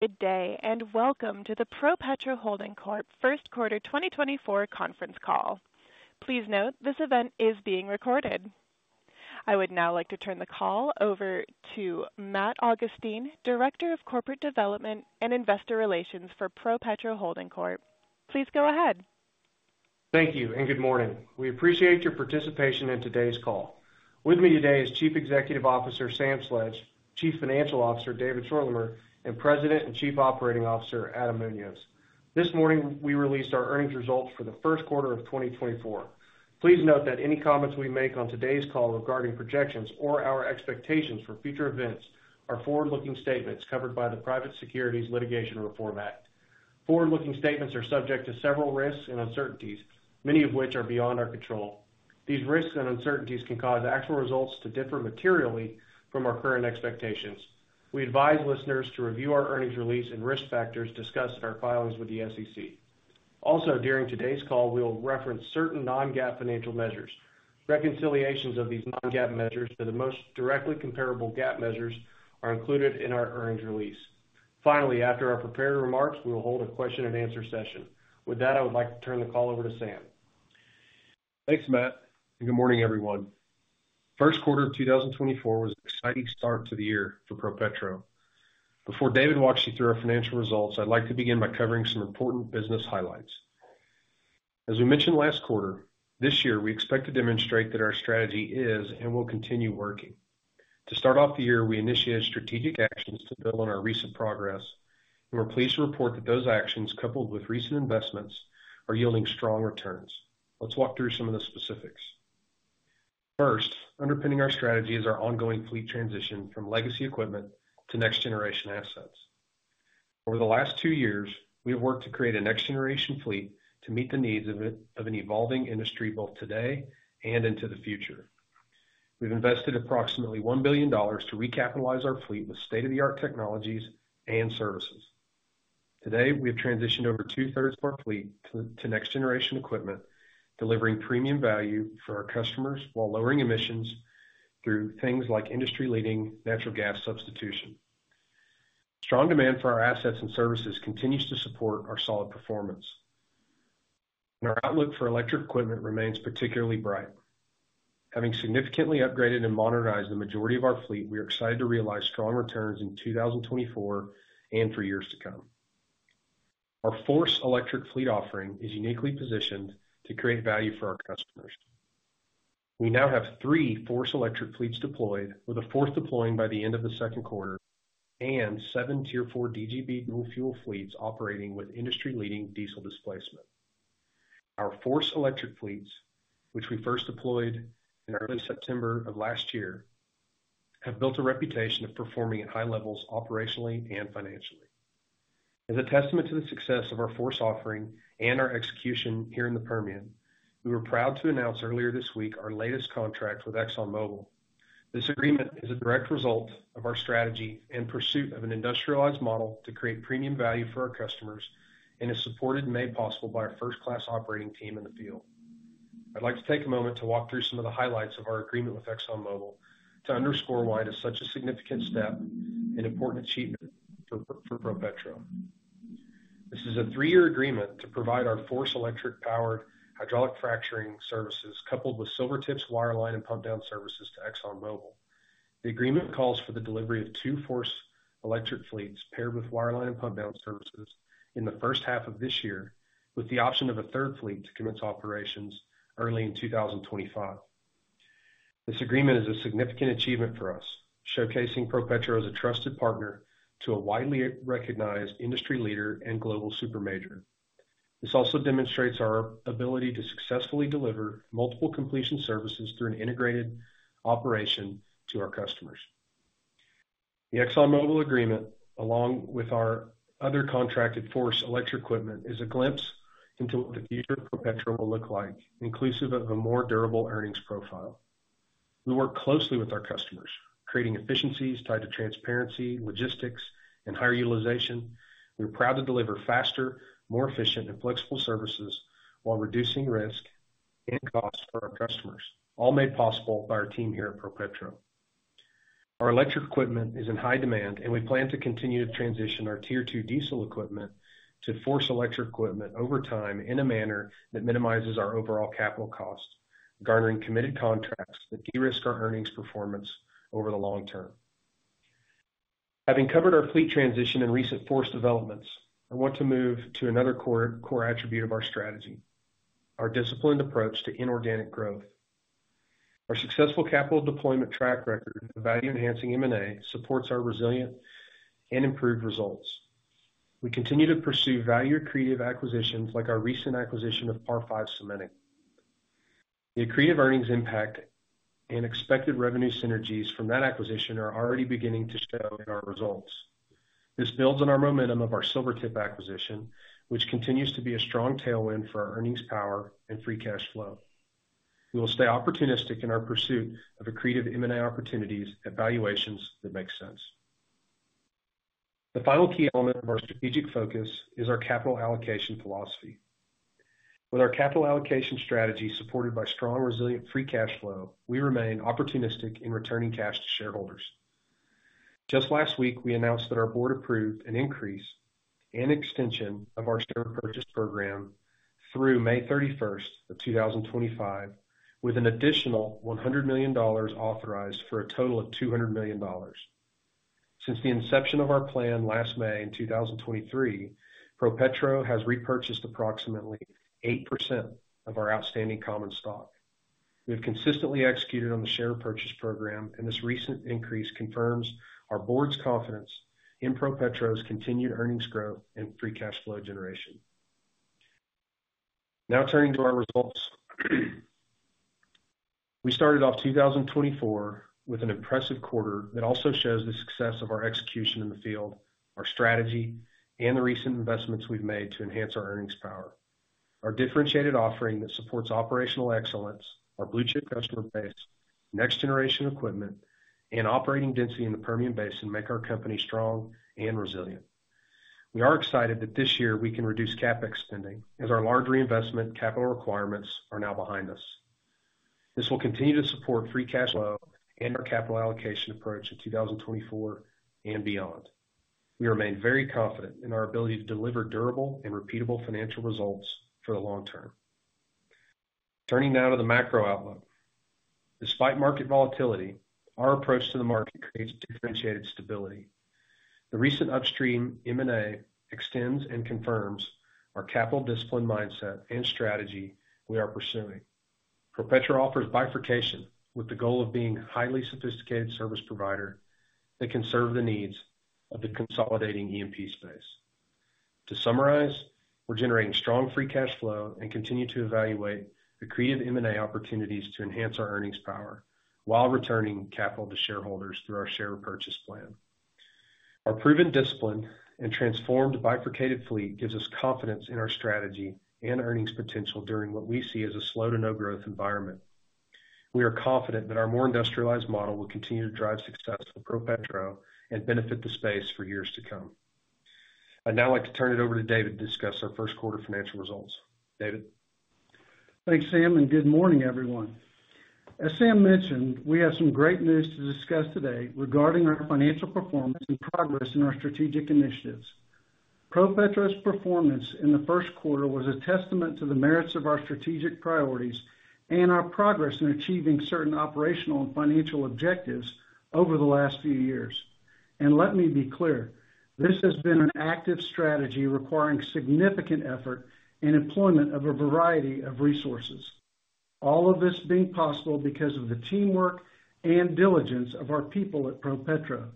Good day, and welcome to the ProPetro Holding Corp First Quarter 2024 Conference Call. Please note, this event is being recorded. I would now like to turn the call over to Matt Augustine, Director of Corporate Development and Investor Relations for ProPetro Holding Corp. Please go ahead. Thank you, and good morning. We appreciate your participation in today's call. With me today is Chief Executive Officer, Sam Sledge, Chief Financial Officer, David Schorlemer, and President and Chief Operating Officer, Adam Muñoz. This morning, we released our earnings results for the first quarter of 2024. Please note that any comments we make on today's call regarding projections or our expectations for future events are forward-looking statements covered by the Private Securities Litigation Reform Act. Forward-looking statements are subject to several risks and uncertainties, many of which are beyond our control. These risks and uncertainties can cause actual results to differ materially from our current expectations. We advise listeners to review our earnings release and risk factors discussed in our filings with the SEC. Also, during today's call, we'll reference certain non-GAAP financial measures. Reconciliations of these non-GAAP measures to the most directly comparable GAAP measures are included in our earnings release. Finally, after our prepared remarks, we will hold a question-and-answer session. With that, I would like to turn the call over to Sam. Thanks, Matt, and good morning, everyone. First quarter of 2024 was an exciting start to the year for ProPetro. Before David walks you through our financial results, I'd like to begin by covering some important business highlights. As we mentioned last quarter, this year, we expect to demonstrate that our strategy is and will continue working. To start off the year, we initiated strategic actions to build on our recent progress, and we're pleased to report that those actions, coupled with recent investments, are yielding strong returns. Let's walk through some of the specifics. First, underpinning our strategy is our ongoing fleet transition from legacy equipment to next-generation assets. Over the last 2 years, we have worked to create a next-generation fleet to meet the needs of an evolving industry, both today and into the future. We've invested approximately $1 billion to recapitalize our fleet with state-of-the-art technologies and services. Today, we have transitioned over two-thirds of our fleet to next-generation equipment, delivering premium value for our customers while lowering emissions through things like industry-leading natural gas substitution. Strong demand for our assets and services continues to support our solid performance. Our outlook for electric equipment remains particularly bright. Having significantly upgraded and modernized the majority of our fleet, we are excited to realize strong returns in 2024 and for years to come. Our FORCE electric fleet offering is uniquely positioned to create value for our customers. We now have 3 FORCE electric fleets deployed, with a fourth deploying by the end of the second quarter, and 7 Tier 4 DGB dual-fuel fleets operating with industry-leading diesel displacement. Our FORCE electric fleets, which we first deployed in early September of last year, have built a reputation of performing at high levels, operationally and financially. As a testament to the success of our FORCE offering and our execution here in the Permian, we were proud to announce earlier this week our latest contract with ExxonMobil. This agreement is a direct result of our strategy and pursuit of an industrialized model to create premium value for our customers, and is supported and made possible by our first-class operating team in the field. I'd like to take a moment to walk through some of the highlights of our agreement with ExxonMobil to underscore why it is such a significant step and important achievement for ProPetro. This is a three-year agreement to provide our FORCE electric-powered hydraulic fracturing services, coupled with Silvertip's wireline and pumpdown services to ExxonMobil. The agreement calls for the delivery of two FORCE electric fleets paired with wireline and pumpdown services in the first half of this year, with the option of a third fleet to commence operations early in 2025. This agreement is a significant achievement for us, showcasing ProPetro as a trusted partner to a widely recognized industry leader and global supermajor. This also demonstrates our ability to successfully deliver multiple completion services through an integrated operation to our customers. The ExxonMobil agreement, along with our other contracted FORCE electric equipment, is a glimpse into what the future of ProPetro will look like, inclusive of a more durable earnings profile. We work closely with our customers, creating efficiencies tied to transparency, logistics, and higher utilization. We are proud to deliver faster, more efficient, and flexible services while reducing risk and costs for our customers, all made possible by our team here at ProPetro. Our electric equipment is in high demand, and we plan to continue to transition our Tier 2 diesel equipment to FORCE electric equipment over time, in a manner that minimizes our overall capital costs, garnering committed contracts that de-risk our earnings performance over the long term. Having covered our fleet transition and recent FORCE developments, I want to move to another core, core attribute of our strategy, our disciplined approach to inorganic growth. Our successful capital deployment track record of value-enhancing M&A supports our resilient and improved results. We continue to pursue value-accretive acquisitions, like our recent acquisition of Par Five Cementing. The accretive earnings impact and expected revenue synergies from that acquisition are already beginning to show in our results. This builds on our momentum of our Silvertip acquisition, which continues to be a strong tailwind for our earnings power and free cash flow. We will stay opportunistic in our pursuit of accretive M&A opportunities at valuations that make sense. The final key element of our strategic focus is our capital allocation philosophy. With our capital allocation strategy, supported by strong, resilient free cash flow, we remain opportunistic in returning cash to shareholders. Just last week, we announced that our board approved an increase and extension of our share purchase program through May 31st, 2025, with an additional $100 million authorized for a total of $200 million. Since the inception of our plan last May in 2023, ProPetro has repurchased approximately 8% of our outstanding common stock. We've consistently executed on the share purchase program, and this recent increase confirms our board's confidence in ProPetro's continued earnings growth and free cash flow generation. Now turning to our results. We started off 2024 with an impressive quarter that also shows the success of our execution in the field, our strategy, and the recent investments we've made to enhance our earnings power. Our differentiated offering that supports operational excellence, our blue-chip customer base, next generation equipment, and operating density in the Permian Basin make our company strong and resilient. We are excited that this year we can reduce CapEx spending as our large reinvestment capital requirements are now behind us. This will continue to support free cash flow and our capital allocation approach in 2024 and beyond. We remain very confident in our ability to deliver durable and repeatable financial results for the long term. Turning now to the macro outlook. Despite market volatility, our approach to the market creates differentiated stability. The recent upstream M&A extends and confirms our capital discipline, mindset, and strategy we are pursuing. ProPetro offers bifurcation with the goal of being a highly sophisticated service provider that can serve the needs of the consolidating E&P space. To summarize, we're generating strong free cash flow and continue to evaluate accretive M&A opportunities to enhance our earnings power, while returning capital to shareholders through our share purchase plan. Our proven discipline and transformed bifurcated fleet gives us confidence in our strategy and earnings potential during what we see as a slow to no growth environment. We are confident that our more industrialized model will continue to drive success for ProPetro and benefit the space for years to come. I'd now like to turn it over to David to discuss our first quarter financial results. David? Thanks, Sam, and good morning, everyone. As Sam mentioned, we have some great news to discuss today regarding our financial performance and progress in our strategic initiatives. ProPetro's performance in the first quarter was a testament to the merits of our strategic priorities and our progress in achieving certain operational and financial objectives over the last few years. Let me be clear, this has been an active strategy requiring significant effort and employment of a variety of resources. All of this being possible because of the teamwork and diligence of our people at ProPetro,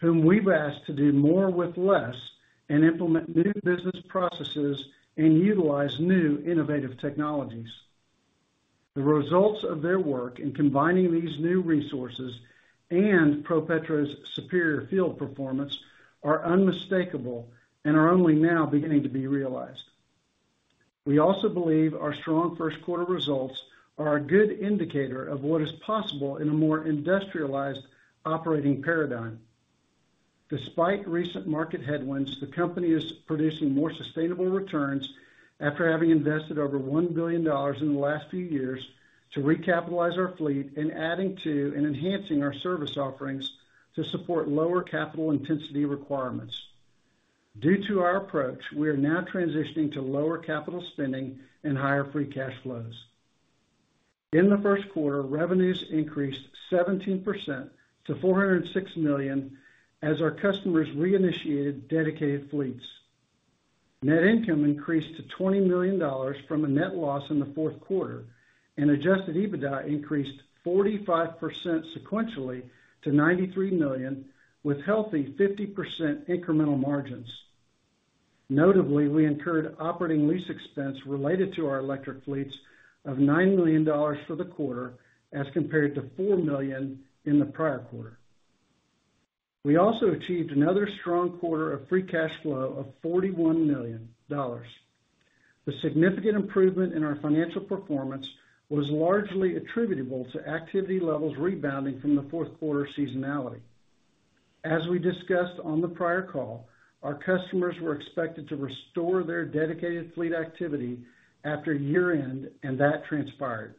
whom we've asked to do more with less and implement new business processes and utilize new innovative technologies. The results of their work in combining these new resources and ProPetro's superior field performance are unmistakable and are only now beginning to be realized. We also believe our strong first quarter results are a good indicator of what is possible in a more industrialized operating paradigm. Despite recent market headwinds, the company is producing more sustainable returns after having invested over $1 billion in the last few years to recapitalize our fleet and adding to and enhancing our service offerings to support lower capital intensity requirements. Due to our approach, we are now transitioning to lower capital spending and higher free cash flows. In the first quarter, revenues increased 17% to $406 million as our customers reinitiated dedicated fleets. Net income increased to $20 million from a net loss in the fourth quarter, and Adjusted EBITDA increased 45% sequentially to $93 million, with healthy 50% incremental margins. Notably, we incurred operating lease expense related to our electric fleets of $9 million for the quarter, as compared to $4 million in the prior quarter. We also achieved another strong quarter of free cash flow of $41 million. The significant improvement in our financial performance was largely attributable to activity levels rebounding from the fourth quarter seasonality. As we discussed on the prior call, our customers were expected to restore their dedicated fleet activity after year-end, and that transpired.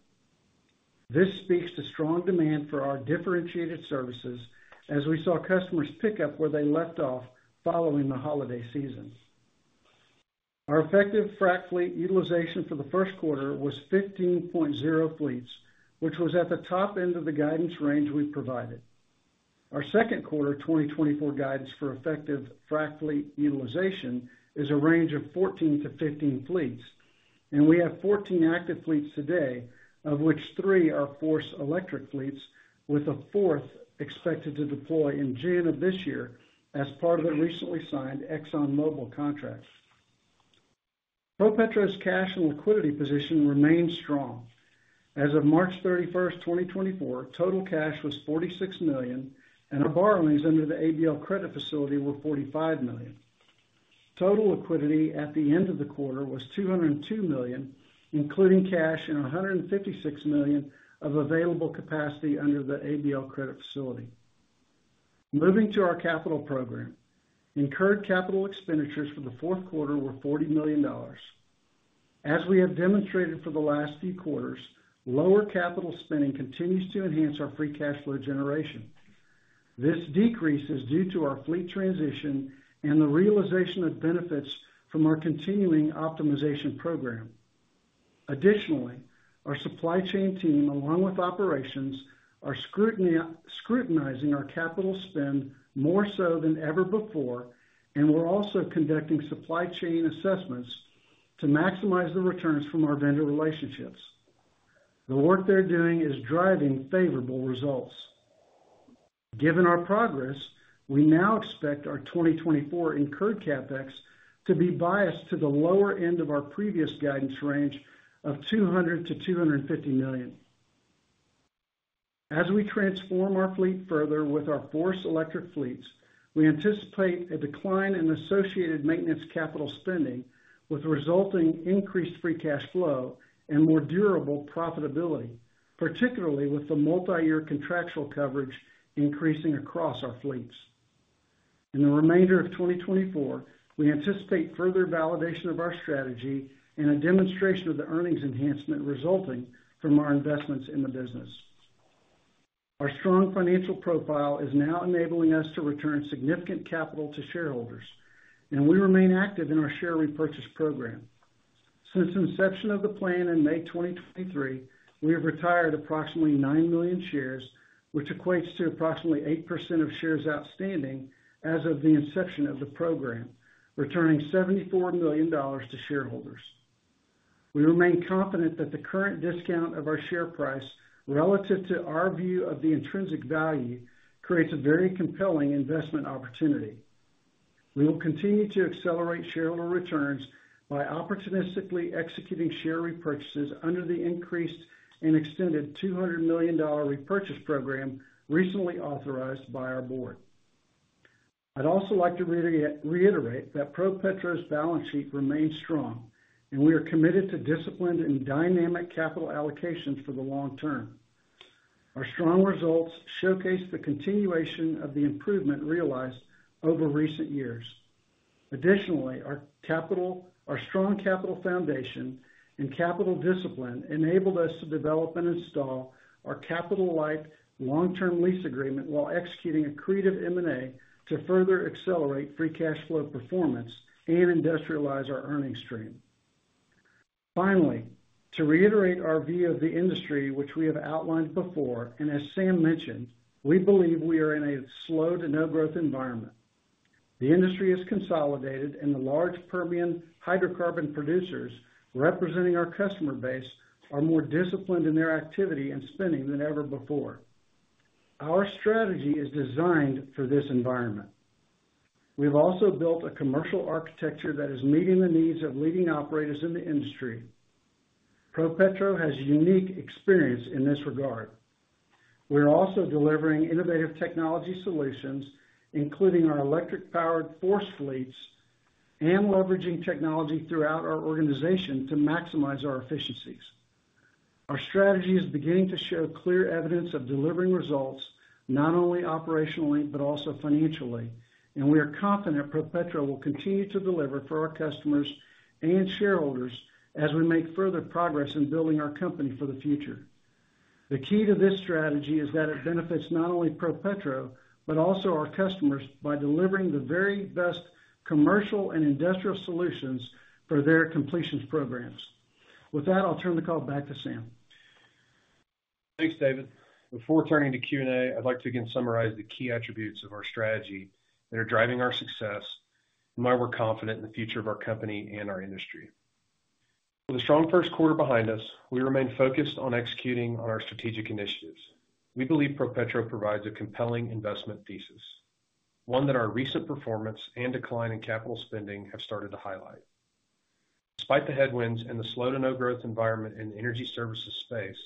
This speaks to strong demand for our differentiated services as we saw customers pick up where they left off following the holiday season. Our effective frac fleet utilization for the first quarter was 15.0 fleets, which was at the top end of the guidance range we provided. Our second quarter 2024 guidance for effective frac fleet utilization is a range of 14-15 fleets, and we have 14 active fleets today, of which 3 are FORCE electric fleets, with a fourth expected to deploy in June of this year as part of a recently signed ExxonMobil contract. ProPetro's cash and liquidity position remains strong. As of March 31, 2024, total cash was $46 million, and our borrowings under the ABL credit facility were $45 million. Total liquidity at the end of the quarter was $202 million, including cash and $156 million of available capacity under the ABL credit facility.... Moving to our capital program. Incurred capital expenditures for the fourth quarter were $40 million. As we have demonstrated for the last few quarters, lower capital spending continues to enhance our free cash flow generation. This decrease is due to our fleet transition and the realization of benefits from our continuing optimization program. Additionally, our supply chain team, along with operations, are scrutinizing our capital spend more so than ever before, and we're also conducting supply chain assessments to maximize the returns from our vendor relationships. The work they're doing is driving favorable results. Given our progress, we now expect our 2024 incurred CapEx to be biased to the lower end of our previous guidance range of $200 million-$250 million. As we transform our fleet further with our FORCE electric fleets, we anticipate a decline in associated maintenance capital spending, with resulting increased free cash flow and more durable profitability, particularly with the multiyear contractual coverage increasing across our fleets. In the remainder of 2024, we anticipate further validation of our strategy and a demonstration of the earnings enhancement resulting from our investments in the business. Our strong financial profile is now enabling us to return significant capital to shareholders, and we remain active in our share repurchase program. Since inception of the plan in May 2023, we have retired approximately 9 million shares, which equates to approximately 8% of shares outstanding as of the inception of the program, returning $74 million to shareholders. We remain confident that the current discount of our share price relative to our view of the intrinsic value, creates a very compelling investment opportunity. We will continue to accelerate shareholder returns by opportunistically executing share repurchases under the increased and extended $200 million repurchase program recently authorized by our board. I'd also like to reiterate that ProPetro's balance sheet remains strong, and we are committed to disciplined and dynamic capital allocations for the long term. Our strong results showcase the continuation of the improvement realized over recent years. Additionally, our strong capital foundation and capital discipline enabled us to develop and install our capital-like long-term lease agreement while executing accretive M&A to further accelerate free cash flow performance and industrialize our earnings stream. Finally, to reiterate our view of the industry, which we have outlined before, and as Sam mentioned, we believe we are in a slow to no growth environment. The industry is consolidated, and the large Permian hydrocarbon producers representing our customer base are more disciplined in their activity and spending than ever before. Our strategy is designed for this environment. We've also built a commercial architecture that is meeting the needs of leading operators in the industry. ProPetro has unique experience in this regard. We're also delivering innovative technology solutions, including our electric-powered FORCE fleets and leveraging technology throughout our organization to maximize our efficiencies. Our strategy is beginning to show clear evidence of delivering results, not only operationally, but also financially, and we are confident ProPetro will continue to deliver for our customers and shareholders as we make further progress in building our company for the future. The key to this strategy is that it benefits not only ProPetro, but also our customers, by delivering the very best commercial and industrial solutions for their completions programs. With that, I'll turn the call back to Sam. Thanks, David. Before turning to Q&A, I'd like to again summarize the key attributes of our strategy that are driving our success and why we're confident in the future of our company and our industry. With a strong first quarter behind us, we remain focused on executing on our strategic initiatives. We believe ProPetro provides a compelling investment thesis, one that our recent performance and decline in capital spending have started to highlight. Despite the headwinds and the slow to no growth environment in the energy services space,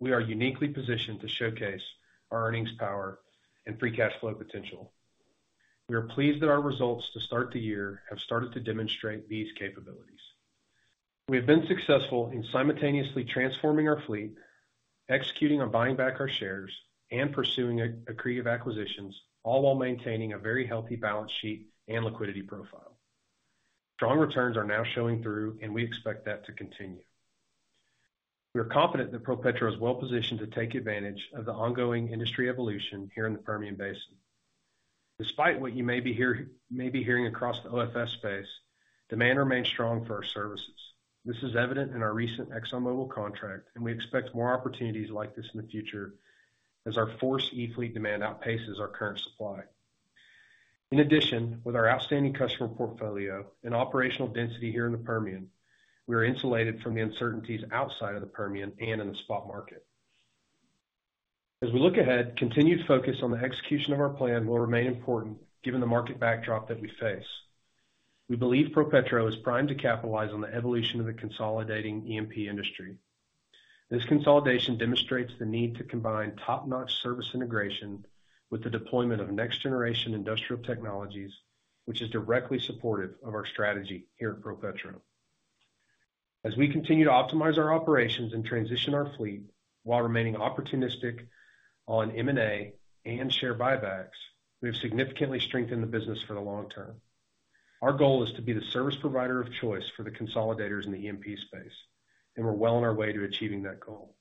we are uniquely positioned to showcase our earnings power and free cash flow potential. We are pleased that our results to start the year have started to demonstrate these capabilities. We have been successful in simultaneously transforming our fleet, executing on buying back our shares, and pursuing accretive acquisitions, all while maintaining a very healthy balance sheet and liquidity profile. Strong returns are now showing through, and we expect that to continue. We are confident that ProPetro is well positioned to take advantage of the ongoing industry evolution here in the Permian Basin. Despite what you may be hearing across the OFS space, demand remains strong for our services. This is evident in our recent ExxonMobil contract, and we expect more opportunities like this in the future as our FORCE electric fleet demand outpaces our current supply. In addition, with our outstanding customer portfolio and operational density here in the Permian, we are insulated from the uncertainties outside of the Permian and in the spot market. As we look ahead, continued focus on the execution of our plan will remain important given the market backdrop that we face. We believe ProPetro is primed to capitalize on the evolution of the consolidating E&P industry. This consolidation demonstrates the need to combine top-notch service integration with the deployment of next-generation industrial technologies, which is directly supportive of our strategy here at ProPetro. ...As we continue to optimize our operations and transition our fleet while remaining opportunistic on M&A and share buybacks, we've significantly strengthened the business for the long term. Our goal is to be the service provider of choice for the consolidators in the E&P space, and we're well on our way to achieving that goal.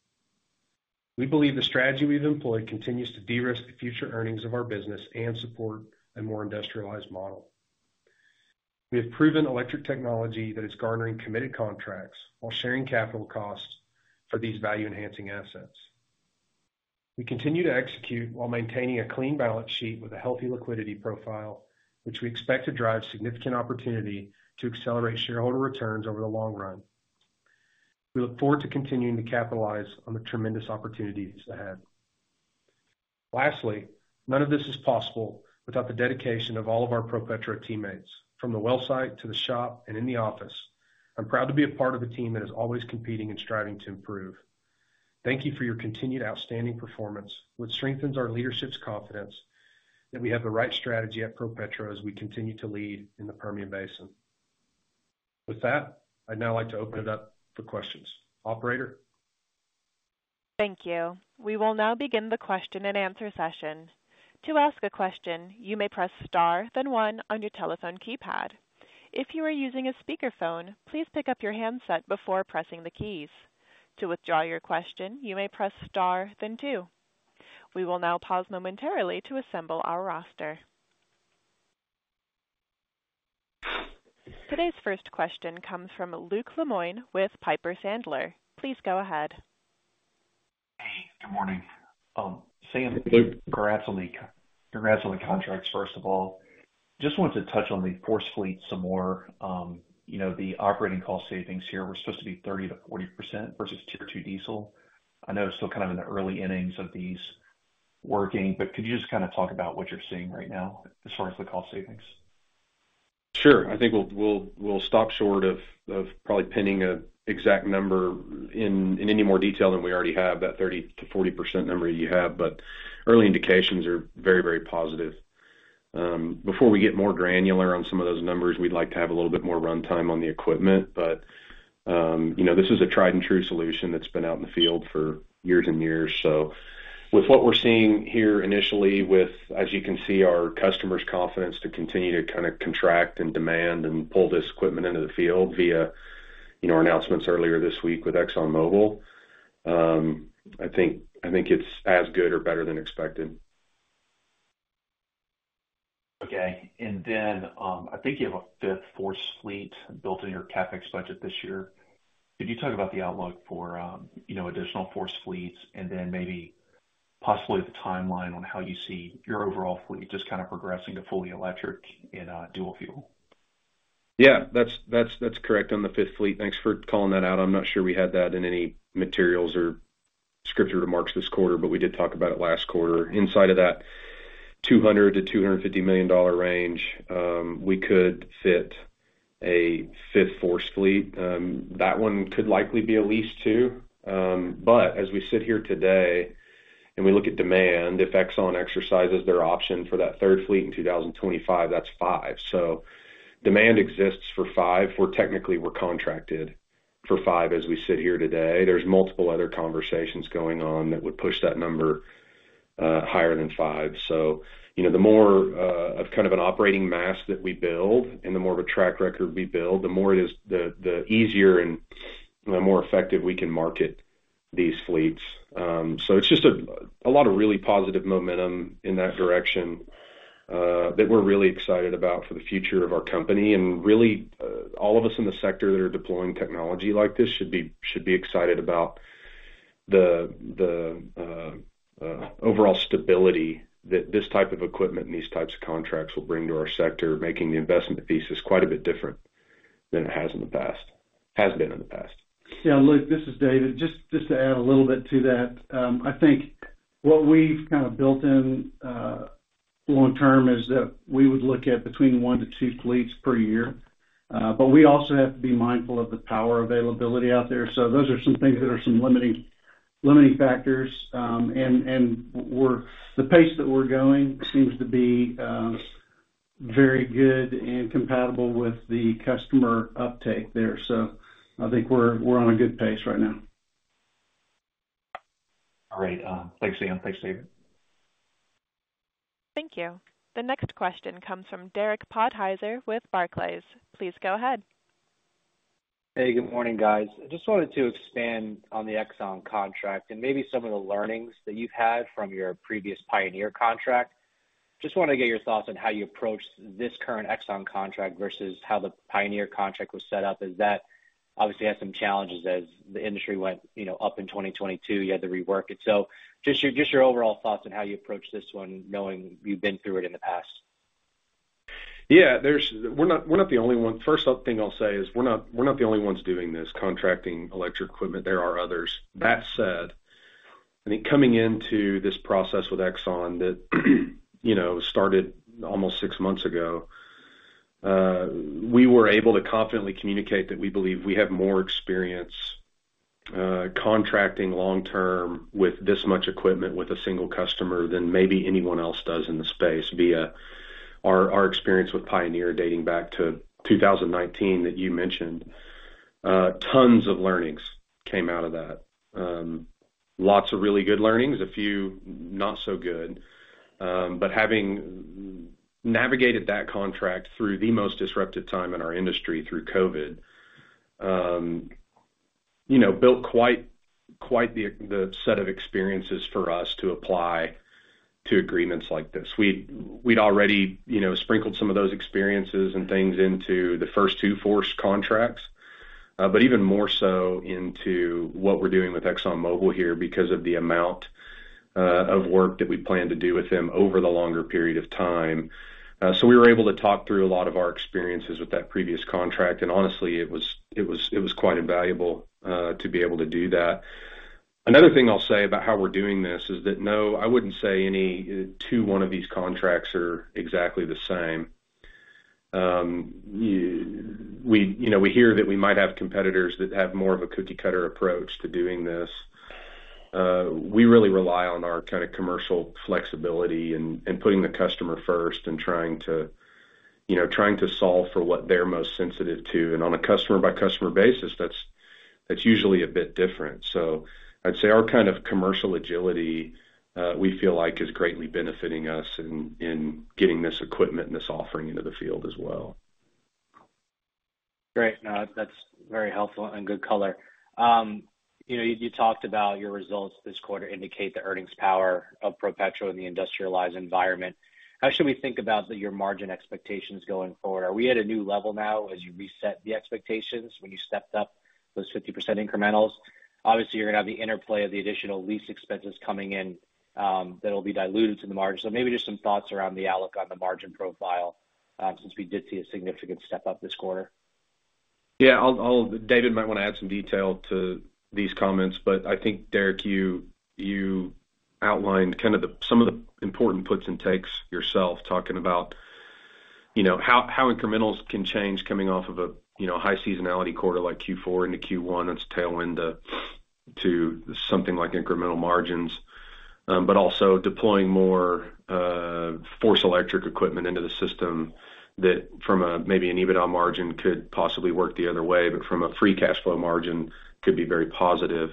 We believe the strategy we've employed continues to de-risk the future earnings of our business and support a more industrialized model. We have proven electric technology that is garnering committed contracts while sharing capital costs for these value-enhancing assets. We continue to execute while maintaining a clean balance sheet with a healthy liquidity profile, which we expect to drive significant opportunity to accelerate shareholder returns over the long run. We look forward to continuing to capitalize on the tremendous opportunities ahead. Lastly, none of this is possible without the dedication of all of our ProPetro teammates, from the well site to the shop and in the office. I'm proud to be a part of a team that is always competing and striving to improve. Thank you for your continued outstanding performance, which strengthens our leadership's confidence that we have the right strategy at ProPetro as we continue to lead in the Permian Basin. With that, I'd now like to open it up for questions. Operator? Thank you. We will now begin the question-and-answer session. To ask a question, you may press star, then one on your telephone keypad. If you are using a speakerphone, please pick up your handset before pressing the keys. To withdraw your question, you may press star, then two. We will now pause momentarily to assemble our roster. Today's first question comes from Luke Lemoine with Piper Sandler. Please go ahead. Hey, good morning. Sam, congrats on the contracts, first of all. Just wanted to touch on the FORCE fleet some more. You know, the operating cost savings here were supposed to be 30%-40% versus Tier 2 diesel. I know it's still kind of in the early innings of these working, but could you just kinda talk about what you're seeing right now as far as the cost savings? Sure. I think we'll stop short of probably pinning an exact number in any more detail than we already have, that 30%-40% number you have, but early indications are very, very positive. Before we get more granular on some of those numbers, we'd like to have a little bit more runtime on the equipment, but you know, this is a tried-and-true solution that's been out in the field for years and years. So with what we're seeing here initially, with, as you can see, our customers' confidence to continue to kind of contract and demand and pull this equipment into the field via, you know, our announcements earlier this week with ExxonMobil, I think it's as good or better than expected. Okay. And then, I think you have a fifth FORCE fleet built in your CapEx budget this year. Could you talk about the outlook for, you know, additional FORCE fleets and then maybe possibly the timeline on how you see your overall fleet just kind of progressing to fully electric and, dual fuel? Yeah, that's correct on the fifth fleet. Thanks for calling that out. I'm not sure we had that in any materials or scripted remarks this quarter, but we did talk about it last quarter. Inside of that $200-$250 million range, we could fit a fifth FORCE fleet. That one could likely be a lease, too. But as we sit here today and we look at demand, if Exxon exercises their option for that third fleet in 2025, that's five. So demand exists for five. We're technically, we're contracted for five as we sit here today. There's multiple other conversations going on that would push that number higher than five. So, you know, the more of kind of an operating mass that we build and the more of a track record we build, the more it is, the easier and the more effective we can market these fleets. So it's just a lot of really positive momentum in that direction that we're really excited about for the future of our company. And really, all of us in the sector that are deploying technology like this should be excited about the overall stability that this type of equipment and these types of contracts will bring to our sector, making the investment thesis quite a bit different than it has in the past, has been in the past. Yeah, Luke, this is David. Just to add a little bit to that. I think what we've kind of built in long term is that we would look at between 1-2 fleets per year, but we also have to be mindful of the power availability out there. So those are some things that are some limiting factors. And the pace that we're going seems to be very good and compatible with the customer uptake there. So I think we're on a good pace right now. All right. Thanks, Sam. Thanks, David. Thank you. The next question comes from Derek Podhaizer with Barclays. Please go ahead. Hey, good morning, guys. I just wanted to expand on the Exxon contract and maybe some of the learnings that you've had from your previous Pioneer contract. Just wanted to get your thoughts on how you approached this current Exxon contract versus how the Pioneer contract was set up, as that obviously had some challenges as the industry went, you know, up in 2022, you had to rework it. So just your, just your overall thoughts on how you approached this one, knowing you've been through it in the past. Yeah, we're not, we're not the only one. First up thing I'll say is, we're not, we're not the only ones doing this, contracting electric equipment. There are others. That said, I think coming into this process with Exxon that, you know, started almost six months ago, we were able to confidently communicate that we believe we have more experience, contracting long term with this much equipment with a single customer than maybe anyone else does in the space via our experience with Pioneer, dating back to 2019 that you mentioned. Tons of learnings came out of that. Lots of really good learnings, a few not so good. But having navigated that contract through the most disruptive time in our industry, through COVID, you know, built quite the set of experiences for us to apply to agreements like this. We'd already, you know, sprinkled some of those experiences and things into the first two FORCE contracts, but even more so into what we're doing with ExxonMobil here because of the amount of work that we plan to do with them over the longer period of time. So we were able to talk through a lot of our experiences with that previous contract, and honestly, it was quite invaluable to be able to do that. Another thing I'll say about how we're doing this is that, no, I wouldn't say any two, one of these contracts are exactly the same. You know, we hear that we might have competitors that have more of a cookie-cutter approach to doing this. We really rely on our kind of commercial flexibility and putting the customer first and trying to, you know, solve for what they're most sensitive to. And on a customer-by-customer basis, that's usually a bit different. So I'd say our kind of commercial agility, we feel like is greatly benefiting us in getting this equipment and this offering into the field as well. Great. No, that's very helpful and good color. You know, you talked about your results this quarter indicate the earnings power of ProPetro in the industrialized environment. How should we think about your margin expectations going forward? Are we at a new level now as you reset the expectations when you stepped up those 50% incrementals? Obviously, you're going to have the interplay of the additional lease expenses coming in, that'll be diluted to the margin. So maybe just some thoughts around the outlook on the margin profile, since we did see a significant step up this quarter. Yeah, I'll... David might want to add some detail to these comments, but I think, Derek, you outlined kind of some of the important puts and takes yourself, talking about, you know, how incrementals can change coming off of a, you know, high seasonality quarter like Q4 into Q1, that's tailwind to something like incremental margins. But also deploying more FORCE electric equipment into the system that from a, maybe an EBITDA margin, could possibly work the other way, but from a free cash flow margin, could be very positive.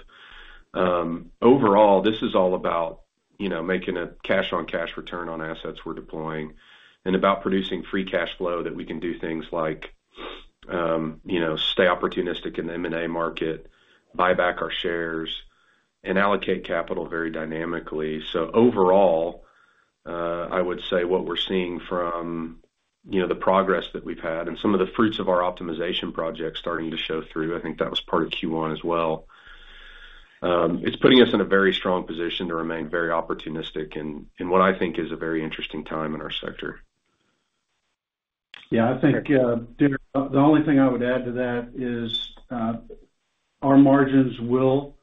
Overall, this is all about, you know, making a cash-on-cash return on assets we're deploying and about producing free cash flow that we can do things like, you know, stay opportunistic in the M&A market, buy back our shares, and allocate capital very dynamically. So overall, I would say what we're seeing from, you know, the progress that we've had and some of the fruits of our optimization projects starting to show through, I think that was part of Q1 as well. It's putting us in a very strong position to remain very opportunistic in what I think is a very interesting time in our sector. Yeah, I think, Derek, the only thing I would add to that is our margins will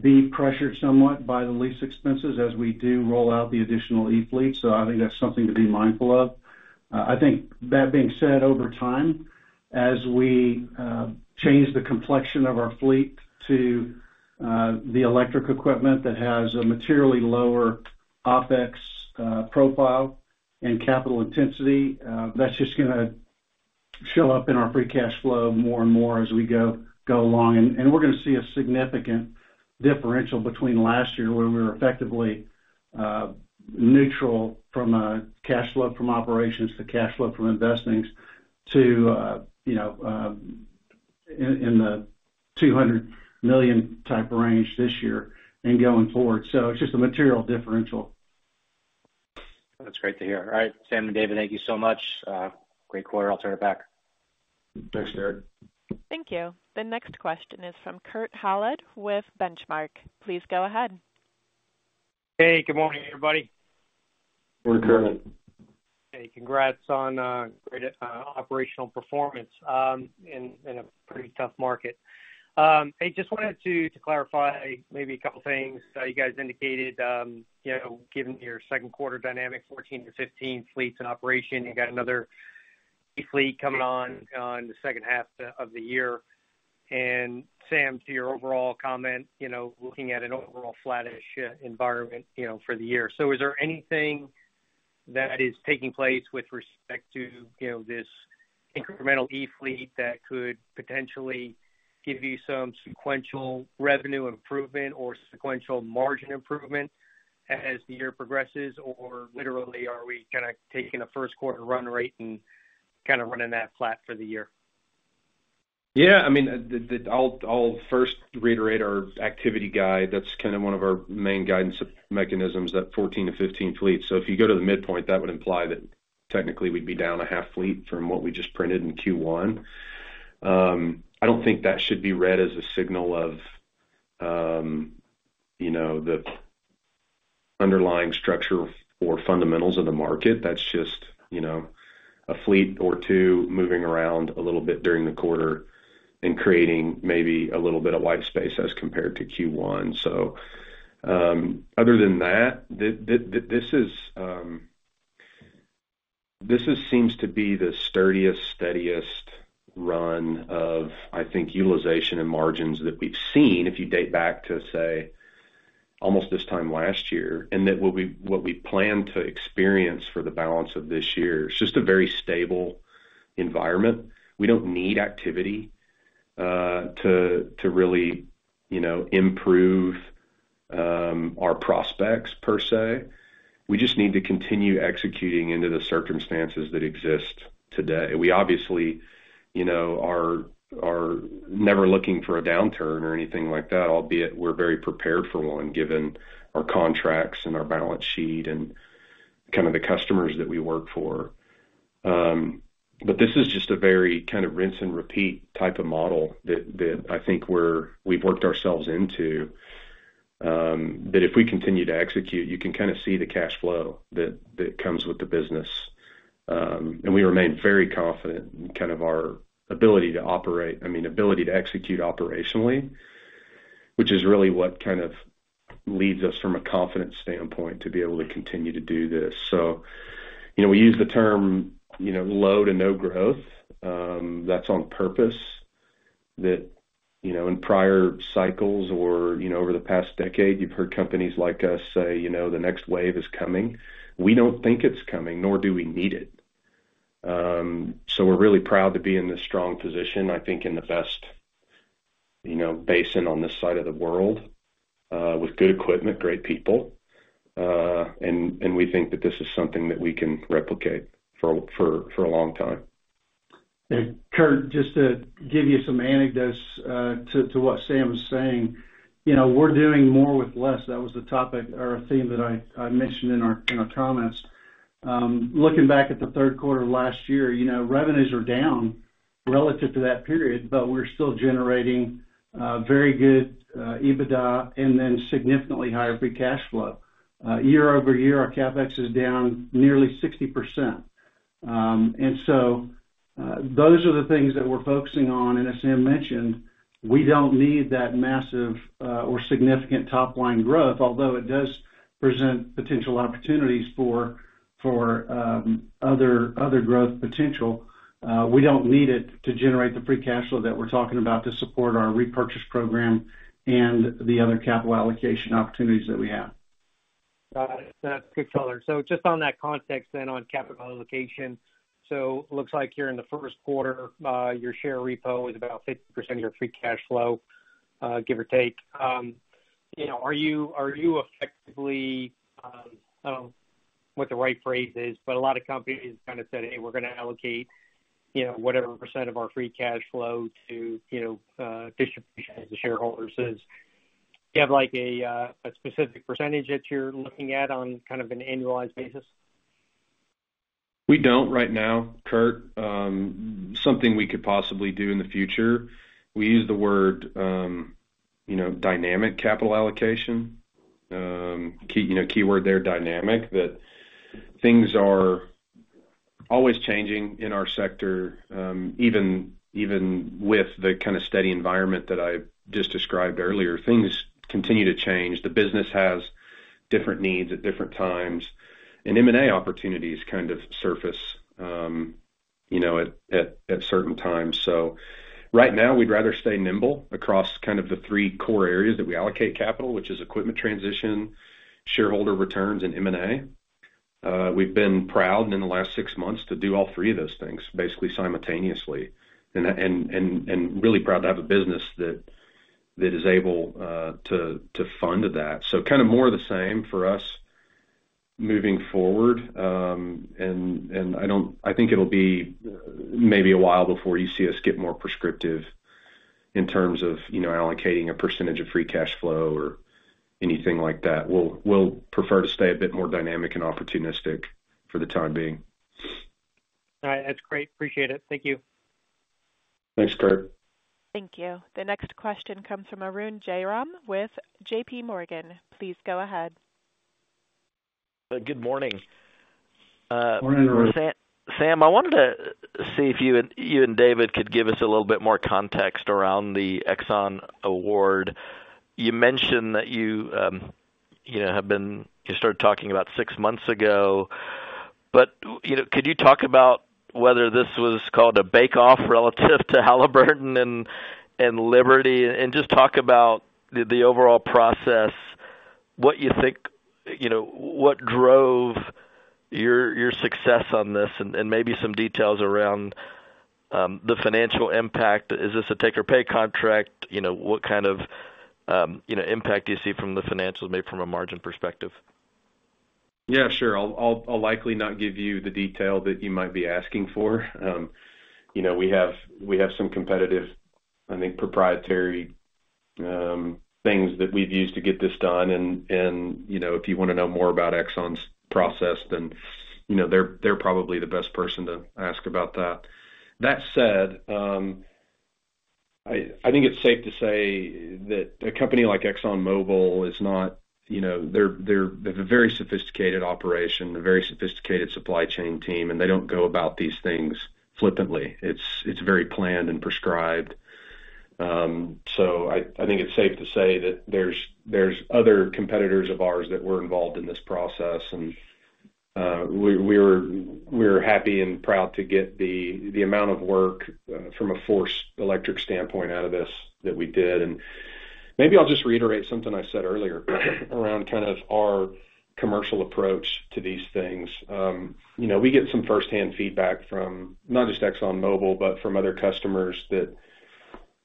be pressured somewhat by the lease expenses as we do roll out the additional E fleet. So I think that's something to be mindful of. I think that being said, over time, as we change the complexion of our fleet to the electric equipment that has a materially lower OpEx profile and capital intensity, that's just gonna show up in our free cash flow more and more as we go along. And we're gonna see a significant differential between last year, where we were effectively neutral from a cash flow from operations to cash flow from investings to you know in the $200 million type range this year and going forward. So it's just a material differential. That's great to hear. All right, Sam and David, thank you so much. Great quarter. I'll turn it back. Thanks, Derek. Thank you. The next question is from Kurt Hallead with Benchmark. Please go ahead. Hey, good morning, everybody. Good morning, Kurt. Hey, congrats on great operational performance in a pretty tough market. I just wanted to clarify maybe a couple of things. You guys indicated, you know, given your second quarter dynamic, 14-15 fleets in operation, you got another fleet coming on in the second half of the year. And Sam, to your overall comment, you know, looking at an overall flattish environment, you know, for the year. So is there anything that is taking place with respect to, you know, this incremental E fleet that could potentially give you some sequential revenue improvement or sequential margin improvement as the year progresses? Or literally, are we kind of taking a first quarter run rate and kind of running that flat for the year? Yeah, I mean, I'll first reiterate our activity guide. That's kind of one of our main guidance mechanisms, that 14-15 fleets. So if you go to the midpoint, that would imply that technically we'd be down a half fleet from what we just printed in Q1. I don't think that should be read as a signal of, you know, the underlying structure or fundamentals of the market. That's just, you know, a fleet or two moving around a little bit during the quarter and creating maybe a little bit of white space as compared to Q1. So, other than that, this is... This seems to be the sturdiest, steadiest run of, I think, utilization and margins that we've seen, if you date back to, say, almost this time last year, and that's what we plan to experience for the balance of this year. It's just a very stable environment. We don't need activity to really, you know, improve our prospects per se. We just need to continue executing into the circumstances that exist today. We obviously, you know, are never looking for a downturn or anything like that, albeit we're very prepared for one, given our contracts and our balance sheet and kind of the customers that we work for. But this is just a very kind of rinse and repeat type of model that I think we've worked ourselves into, that if we continue to execute, you can kind of see the cash flow that comes with the business. And we remain very confident in kind of our ability to operate, I mean, ability to execute operationally, which is really what kind of leads us from a confidence standpoint to be able to continue to do this. So, you know, we use the term, you know, low to no growth, that's on purpose. That, you know, in prior cycles or, you know, over the past decade, you've heard companies like us say, "You know, the next wave is coming." We don't think it's coming, nor do we need it. So we're really proud to be in this strong position, I think, in the best, you know, basin on this side of the world, with good equipment, great people, and we think that this is something that we can replicate for a long time. Kurt, just to give you some anecdotes to what Sam was saying. You know, we're doing more with less. That was the topic or a theme that I mentioned in our comments. Looking back at the third quarter of last year, you know, revenues are down relative to that period, but we're still generating very good EBITDA and then significantly higher free cash flow. Year-over-year, our CapEx is down nearly 60%. And so those are the things that we're focusing on, and as Sam mentioned, we don't need that massive or significant top-line growth, although it does present potential opportunities for other growth potential. We don't need it to generate the free cash flow that we're talking about to support our repurchase program and the other capital allocation opportunities that we have. Got it. That's good color. So just on that context then, on capital allocation, so looks like you're in the first quarter, your share repurchase is about 50% of your free cash flow, give or take. You know, are you, are you effectively, I don't know what the right phrase is, but a lot of companies kind of said, "Hey, we're gonna allocate, you know, whatever percent of our free cash flow to, you know, distribution to shareholders." Is... Do you have, like, a specific percentage that you're looking at on kind of an annualized basis? We don't right now, Kurt. Something we could possibly do in the future. We use the word, you know, dynamic capital allocation. Key, you know, keyword there, dynamic, that things are always changing in our sector, even, even with the kind of steady environment that I just described earlier. Things continue to change. The business has different needs at different times, and M&A opportunities kind of surface, you know, at certain times. So right now, we'd rather stay nimble across kind of the three core areas that we allocate capital, which is equipment transition, shareholder returns, and M&A. We've been proud in the last six months to do all three of those things, basically simultaneously, and really proud to have a business that is able to fund that. So kind of more the same for us moving forward. And I don't. I think it'll be maybe a while before you see us get more prescriptive in terms of, you know, allocating a percentage of free cash flow or anything like that. We'll prefer to stay a bit more dynamic and opportunistic for the time being. All right. That's great. Appreciate it. Thank you. Thanks, Kurt. Thank you. The next question comes from Arun Jayaram with J.P. Morgan. Please go ahead. Good morning. Morning, Arun. Sam, I wanted to see if you and, you and David could give us a little bit more context around the Exxon award. You mentioned that you, you know, have been you started talking about six months ago, but, you know, could you talk about whether this was called a bake-off relative to Halliburton and, and Liberty, and just talk about the, the overall process, what you think, you know, what drove your, your success on this, and, and maybe some details around the financial impact. Is this a take-or-pay contract? You know, what kind of, you know, impact do you see from the financials, maybe from a margin perspective? Yeah, sure. I'll likely not give you the detail that you might be asking for. You know, we have some competitive, I think, proprietary things that we've used to get this done, and you know, if you wanna know more about Exxon's process, then, you know, they're probably the best person to ask about that. That said, I think it's safe to say that a company like ExxonMobil is not, you know, they have a very sophisticated operation, a very sophisticated supply chain team, and they don't go about these things flippantly. It's very planned and prescribed.... So I think it's safe to say that there's other competitors of ours that were involved in this process, and we were happy and proud to get the amount of work from a FORCE electric standpoint out of this that we did. And maybe I'll just reiterate something I said earlier, around kind of our commercial approach to these things. You know, we get some firsthand feedback from not just ExxonMobil, but from other customers that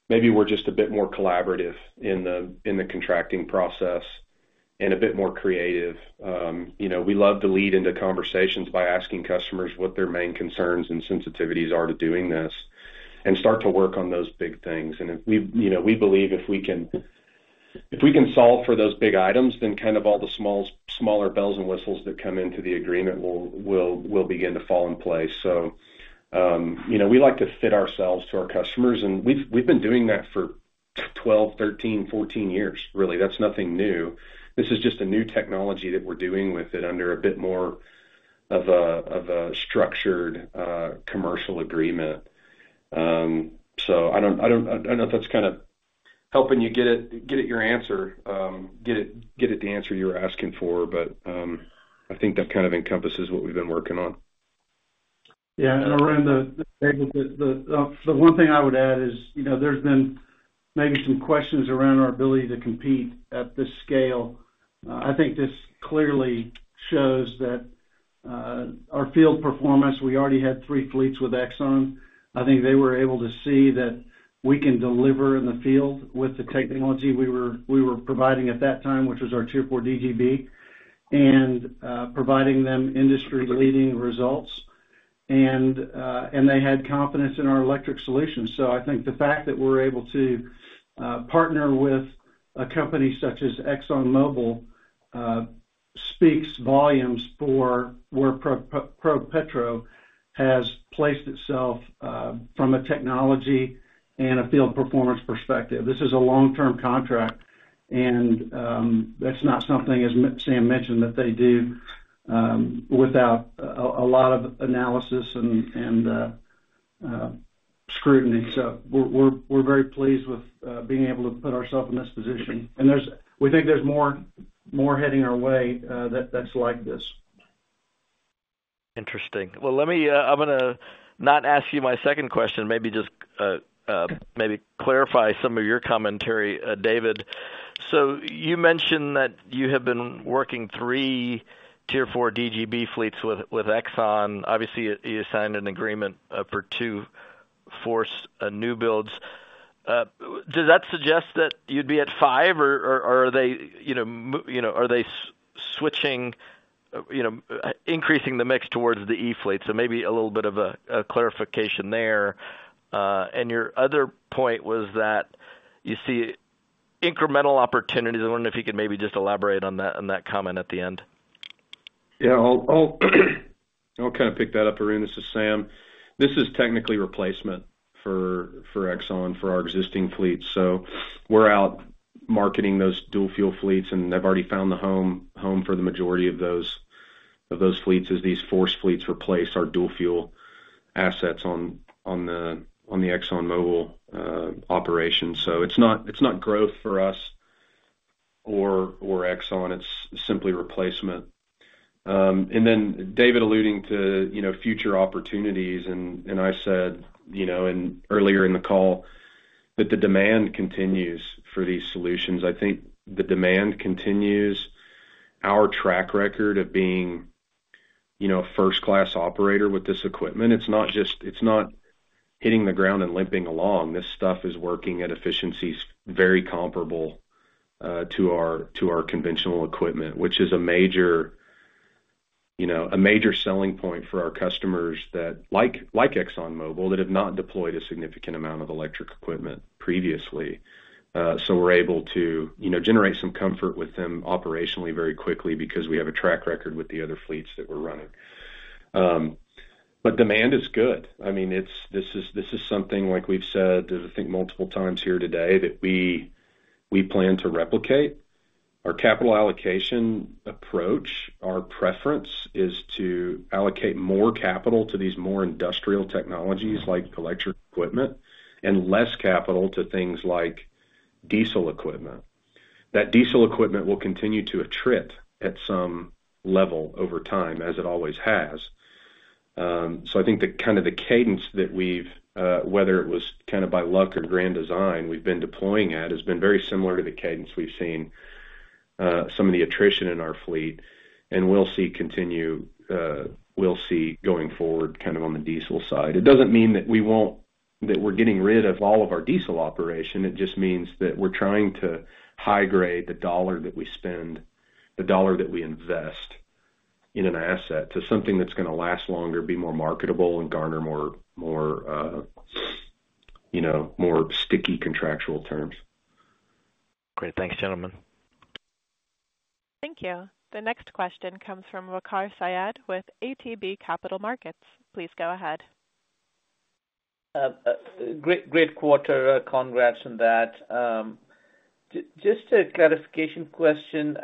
maybe we're just a bit more collaborative in the contracting process and a bit more creative. You know, we love to lead into conversations by asking customers what their main concerns and sensitivities are to doing this, and start to work on those big things. And if we... You know, we believe if we can, if we can solve for those big items, then kind of all the smaller bells and whistles that come into the agreement will begin to fall in place. So, you know, we like to fit ourselves to our customers, and we've been doing that for 12, 13, 14 years, really. That's nothing new. This is just a new technology that we're doing with it under a bit more of a structured commercial agreement. So I don't know if that's kind of helping you get at your answer, get at the answer you were asking for, but I think that kind of encompasses what we've been working on. Yeah, and around the one thing I would add is, you know, there's been maybe some questions around our ability to compete at this scale. I think this clearly shows that our field performance, we already had three fleets with Exxon. I think they were able to see that we can deliver in the field with the technology we were providing at that time, which was our Tier 4 DGB, and providing them industry-leading results. And they had confidence in our electric solution. So I think the fact that we're able to partner with a company such as ExxonMobil speaks volumes for where ProPetro has placed itself from a technology and a field performance perspective. This is a long-term contract, and that's not something, as Sam mentioned, that they do without a lot of analysis and scrutiny. So we're very pleased with being able to put ourselves in this position. And we think there's more heading our way, that's like this. Interesting. Well, let me... I'm gonna not ask you my second question, maybe just, maybe clarify some of your commentary, David. So you mentioned that you have been working 3 Tier 4 DGB fleets with Exxon. Obviously, you signed an agreement for 2 FORCE new builds. Does that suggest that you'd be at 5, or are they switching, you know, increasing the mix towards the E fleet? So maybe a little bit of a clarification there. And your other point was that you see incremental opportunities. I wonder if you could maybe just elaborate on that, on that comment at the end. Yeah, I'll kind of pick that up, Arun. This is Sam. This is technically replacement for Exxon for our existing fleet. So we're out marketing those dual fuel fleets, and they've already found the home home for the majority of those fleets as these FORCE fleets replace our dual fuel assets on the ExxonMobil operation. So it's not growth for us or Exxon. It's simply replacement. And then David alluding to, you know, future opportunities, and I said, you know, earlier in the call, that the demand continues for these solutions. I think the demand continues. Our track record of being, you know, a first-class operator with this equipment, it's not just it's not hitting the ground and limping along. This stuff is working at efficiencies very comparable to our conventional equipment, which is a major, you know, a major selling point for our customers that, like, ExxonMobil, that have not deployed a significant amount of electric equipment previously. So we're able to, you know, generate some comfort with them operationally very quickly because we have a track record with the other fleets that we're running. But demand is good. I mean, this is something like we've said, I think, multiple times here today, that we plan to replicate. Our capital allocation approach, our preference, is to allocate more capital to these more industrial technologies like electric equipment, and less capital to things like diesel equipment. That diesel equipment will continue to attrit at some level over time, as it always has. So I think the kind of the cadence that we've, whether it was kind of by luck or grand design we've been deploying at, has been very similar to the cadence we've seen some of the attrition in our fleet, and we'll see continue, we'll see going forward, kind of on the diesel side. It doesn't mean that we won't, that we're getting rid of all of our diesel operation. It just means that we're trying to high grade the dollar that we spend, the dollar that we invest in an asset, to something that's gonna last longer, be more marketable, and garner more, more, you know, more sticky contractual terms. Great. Thanks, gentlemen. Thank you. The next question comes from Waqar Syed with ATB Capital Markets. Please go ahead. Great, great quarter. Congrats on that. Just a clarification question.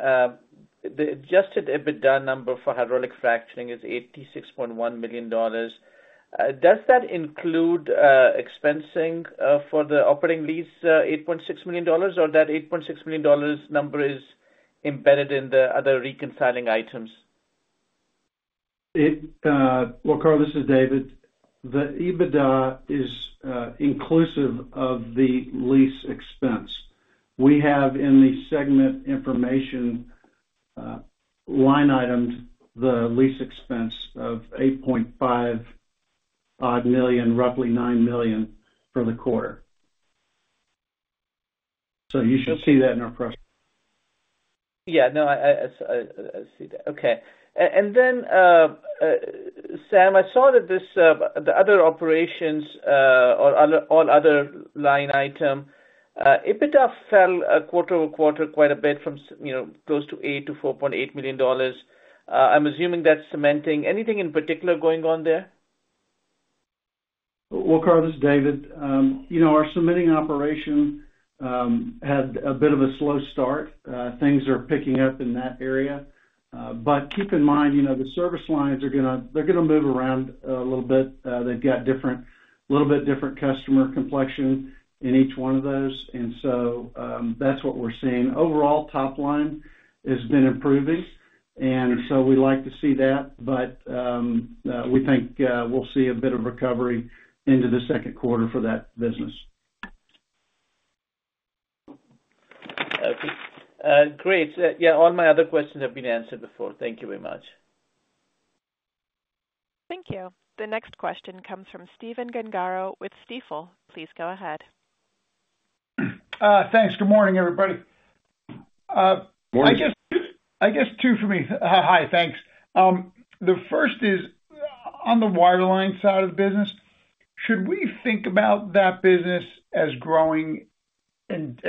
The adjusted EBITDA number for hydraulic fracturing is $86.1 million. Does that include expensing for the operating lease $8.6 million, or that $8.6 million number is embedded in the other reconciling items? Well, Carl, this is David. The EBITDA is inclusive of the lease expense. We have in the segment information line items, the lease expense of $8.5-odd million, roughly $9 million for the quarter. So you should see that in our press. Yeah, no, I see that. Okay. And then, Sam, I saw that this, the other operations, or other, all other line item, EBITDA fell quarter-over-quarter quite a bit from, you know, close to $8 million to $4.8 million. I'm assuming that's cementing. Anything in particular going on there? Well, Carl, this is David. You know, our cementing operation had a bit of a slow start. Things are picking up in that area. But keep in mind, you know, the service lines are gonna, they're gonna move around a little bit. They've got different, little bit different customer complexion in each one of those, and so, that's what we're seeing. Overall, top line has been improving, and so we like to see that, but, we think, we'll see a bit of recovery into the second quarter for that business. Okay. Great. Yeah, all my other questions have been answered before. Thank you very much. Thank you. The next question comes from Stephen Gengaro with Stifel. Please go ahead. Thanks. Good morning, everybody. Morning. I guess two for me. Hi, thanks. The first is, on the wireline side of the business, should we think about that business as growing and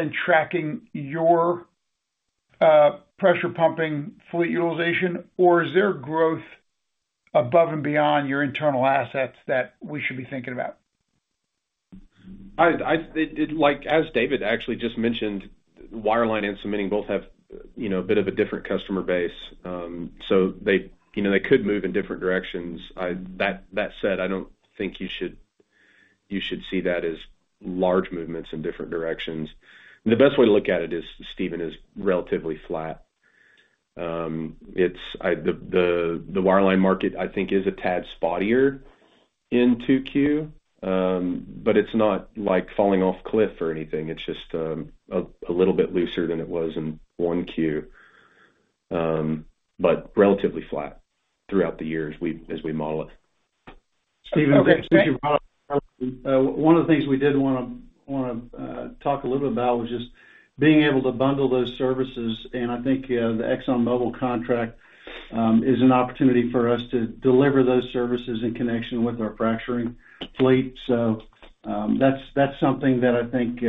tracking your pressure pumping fleet utilization? Or is there growth above and beyond your internal assets that we should be thinking about? I like, as David actually just mentioned, wireline and cementing both have, you know, a bit of a different customer base. So they, you know, they could move in different directions. That said, I don't think you should see that as large movements in different directions. The best way to look at it is, Stephen, relatively flat. It's the wireline market, I think, is a tad spottier in 2Q, but it's not like falling off a cliff or anything. It's just a little bit looser than it was in 1Q, but relatively flat throughout the year as we model it. Okay, thank- Steven, one of the things we did wanna talk a little bit about was just being able to bundle those services, and I think the ExxonMobil contract is an opportunity for us to deliver those services in connection with our fracturing fleet. So, that's something that I think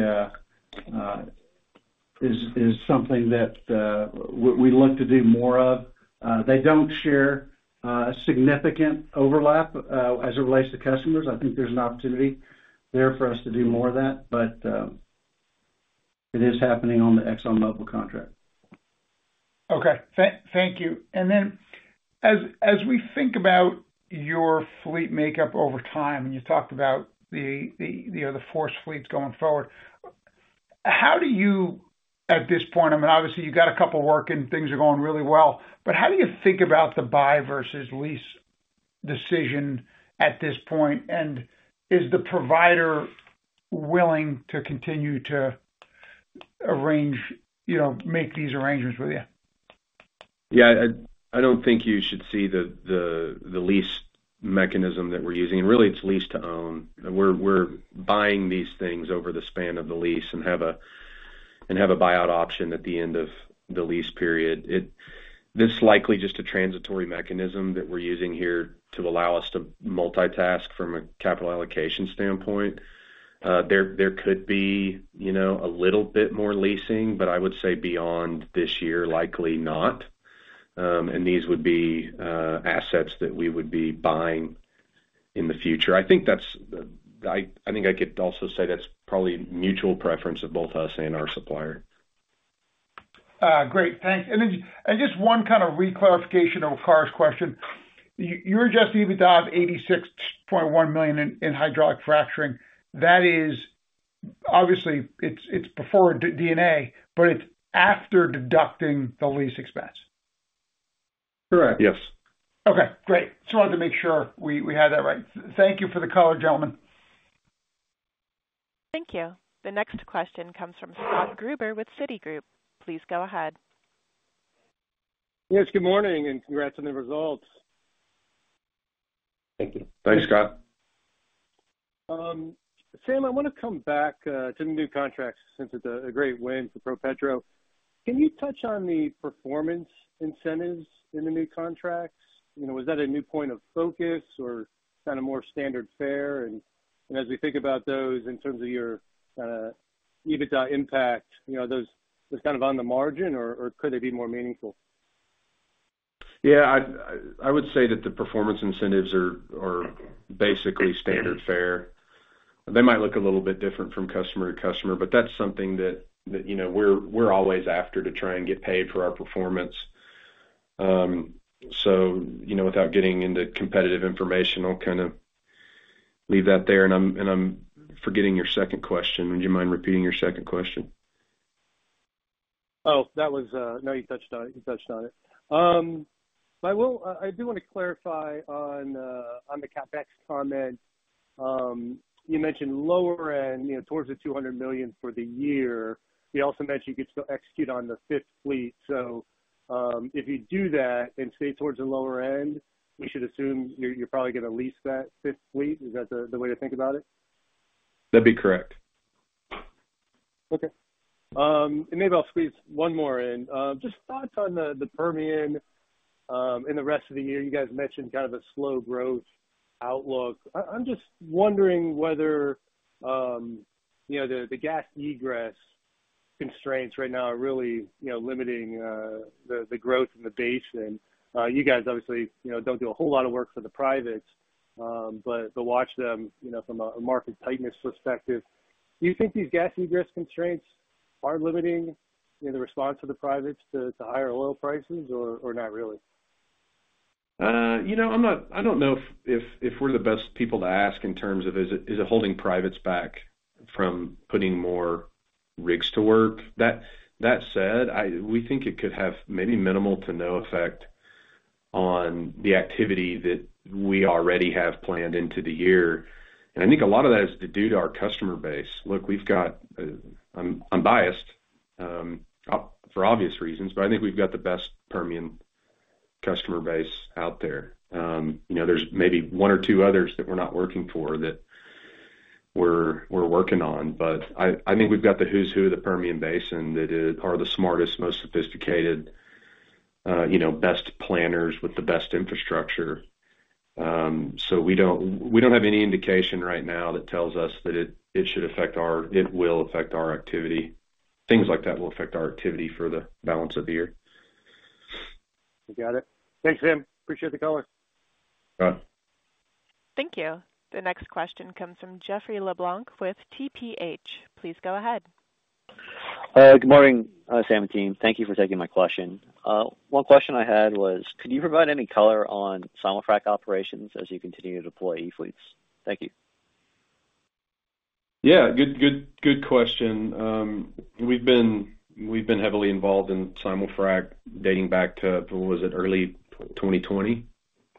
is something that we look to do more of. They don't share significant overlap as it relates to customers. I think there's an opportunity there for us to do more of that, but it is happening on the ExxonMobil contract. Okay. Thank you. And then as we think about your fleet makeup over time, and you talked about the you know, the four fleets going forward. How do you, at this point, I mean, obviously, you've got a couple working, things are going really well, but how do you think about the buy versus lease decision at this point? And is the provider willing to continue to arrange, you know, make these arrangements with you? Yeah, I don't think you should see the lease mechanism that we're using. Really, it's lease to own. We're buying these things over the span of the lease and have a buyout option at the end of the lease period. This is likely just a transitory mechanism that we're using here to allow us to multitask from a capital allocation standpoint. There could be, you know, a little bit more leasing, but I would say beyond this year, likely not. And these would be assets that we would be buying in the future. I think that's. I think I could also say that's probably mutual preference of both us and our supplier. Great, thanks. Just one kind of reclarification of Kurt's question. Your adjusted EBITDA of $86.1 million in hydraulic fracturing, that is, obviously, it's before D&A, but it's after deducting the lease expense? Correct. Yes. Okay, great. Just wanted to make sure we, we had that right. Thank you for the color, gentlemen. Thank you. The next question comes from Scott Gruber with Citigroup. Please go ahead. Yes, good morning, and congrats on the results. Thank you. Thanks, Scott. Sam, I want to come back to the new contracts since it's a great win for ProPetro. Can you touch on the performance incentives in the new contracts? You know, was that a new point of focus or kind of more standard fare? And as we think about those in terms of your EBITDA impact, you know, those kind of on the margin, or could they be more meaningful? ... Yeah, I would say that the performance incentives are basically standard fare. They might look a little bit different from customer to customer, but that's something that, you know, we're always after to try and get paid for our performance. So, you know, without getting into competitive information, I'll kind of leave that there. And I'm forgetting your second question. Would you mind repeating your second question? Oh, that was. No, you touched on it. You touched on it. I do wanna clarify on the CapEx comment. You mentioned lower end, you know, towards the $200 million for the year. You also mentioned you could still execute on the fifth fleet. So, if you do that and stay towards the lower end, we should assume you're probably gonna lease that fifth fleet. Is that the way to think about it? That'd be correct. Okay. And maybe I'll squeeze one more in. Just thoughts on the, the Permian, in the rest of the year. You guys mentioned kind of a slow growth outlook. I, I'm just wondering whether, you know, the, the gas egress constraints right now are really, you know, limiting, the, the growth in the basin. You guys obviously, you know, don't do a whole lot of work for the privates, but to watch them, you know, from a, a market tightness perspective, do you think these gas egress constraints are limiting, you know, the response of the privates to, to higher oil prices or, or not really? You know, I'm not—I don't know if we're the best people to ask in terms of, is it holding privates back from putting more rigs to work? That said, we think it could have maybe minimal to no effect on the activity that we already have planned into the year, and I think a lot of that is due to our customer base. Look, we've got, I'm biased for obvious reasons, but I think we've got the best Permian customer base out there. You know, there's maybe one or two others that we're not working for that we're working on, but I think we've got the who's who of the Permian Basin, that are the smartest, most sophisticated, you know, best planners with the best infrastructure. So we don't have any indication right now that tells us that it will affect our activity. Things like that will affect our activity for the balance of the year. I got it. Thanks, Sam. Appreciate the color. Got it. Thank you. The next question comes from Jeff LeBlanc with TPH. Please go ahead. Good morning, Sam and team. Thank you for taking my question. One question I had was, co e-fleets? Thank you. Yeah, good, good, good question. We've been heavily involved in Simul-Frac, dating back to, what was it? Early 2020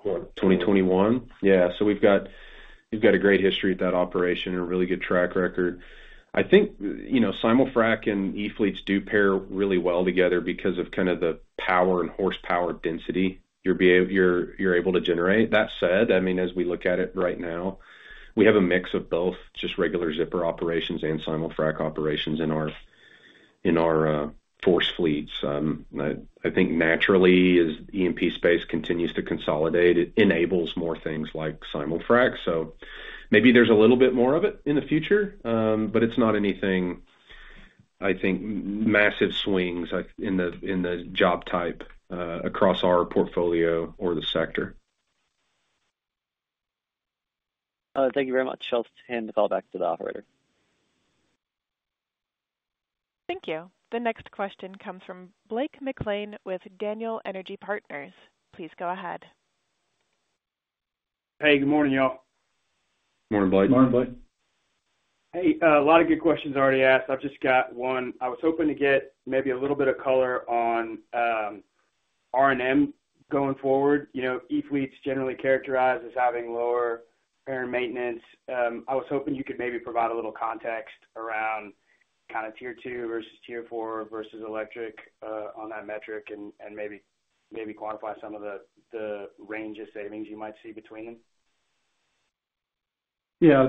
or 2021. Yeah. So we've got a great history at that operation and a really good track record. I think, you know, Simul-Frac and -fleets do pair really well together because of kind of the power and horsepower density you're able to generate. That said, I mean, as we look at it right now, we have a mix of both just regular zipper operations and Simul-Frac operations in our FORCE fleets. I think naturally, as E&P space continues to consolidate, it enables more things like Simul-Frac So maybe there's a little bit more of it in the future, but it's not anything, I think, massive swings like in the job type across our portfolio or the sector. Thank you very much. I'll hand the call back to the operator. Thank you. The next question comes from Blake McLean with Daniel Energy Partners. Please go ahead. Hey, good morning, y'all. Morning, Blake. Morning, Blake. Hey, a lot of good questions already asked. I've just got one. I was hoping to get maybe a little bit of color on R&M going forward. You know, e-fleets generally characterized as having lower maintenance. I was hoping you could maybe provide a little context around kind of Tier 2 versus Tier 4 versus electric on that metric, and maybe quantify some of the range of savings you might see between them. Yeah,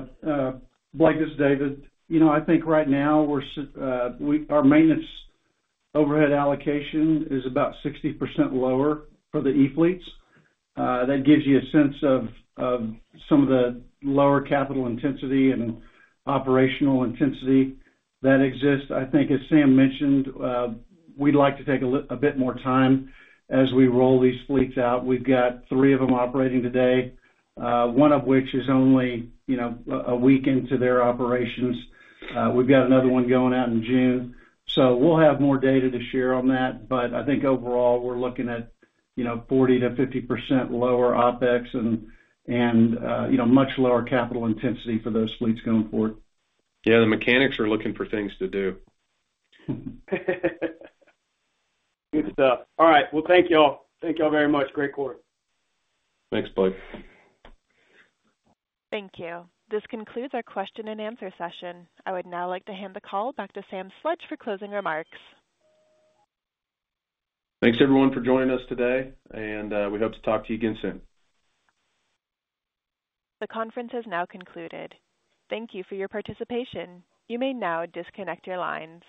Blake, this is David. You know, I think right now, we're our maintenance overhead allocation is about 60% lower for the E-fleets. That gives you a sense of some of the lower capital intensity and operational intensity that exists. I think, as Sam mentioned, we'd like to take a bit more time as we roll these fleets out. We've got three of them operating today, one of which is only, you know, a week into their operations. We've got another one going out in June, so we'll have more data to share on that. But I think overall, we're looking at, you know, 40%-50% lower OpEx and, you know, much lower capital intensity for those fleets going forward. Yeah, the mechanics are looking for things to do. Good stuff. All right, well, thank you all. Thank you all very much. Great quarter. Thanks, Blake. Thank you. This concludes our question and answer session. I would now like to hand the call back to Sam Sledge for closing remarks. Thanks, everyone, for joining us today, and we hope to talk to you again soon. The conference has now concluded. Thank you for your participation. You may now disconnect your lines.